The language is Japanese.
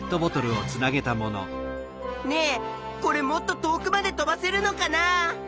ねえこれもっと遠くまで飛ばせるのかなあ？